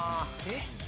えっ？